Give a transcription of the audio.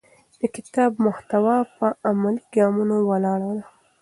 د کتاب محتوا په عملي ګامونو ولاړه ده.